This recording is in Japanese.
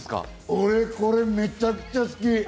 俺、これめちゃくちゃ好き！